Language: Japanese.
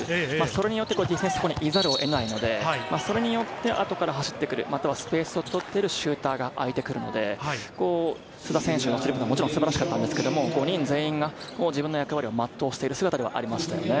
それによってディフェンスがそこに居ざるをえないので、それによって後から走ってくる、スペースを取っているシューターが空いてくるので、須田選手のスリーポイントも素晴らしかったですが、５人全員が自分の役割を全うしている姿ではありましたよね。